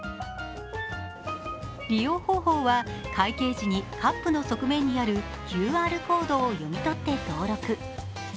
利用方法は、会計時にカップの側面にあるＱＲコードを読み取って登録。